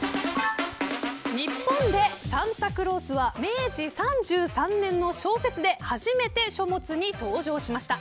日本でサンタクロースは明治３３年の小説で初めて書物に登場しました。